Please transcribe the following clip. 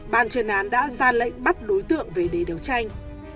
ban chuyên án đã ra lệnh bắt đối tượng về để đấu tranh